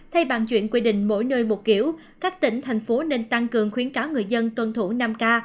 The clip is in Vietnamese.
thay bàn chuyện quy định mỗi nơi một kiểu các tỉnh thành phố nên tăng cường khuyến cáo người dân tuân thủ năm k